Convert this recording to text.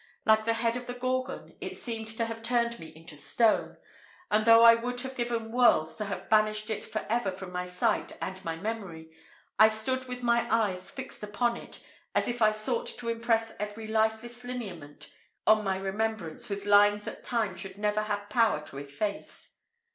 Like the head of the Gorgon, it seemed to have turned me into stone; and though I would have given worlds to have banished it for ever from my sight and my memory, I stood with my eyes fixed upon it as if I sought to impress every lifeless lineament on my remembrance with lines that time should never have power to efface.